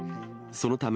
そのため、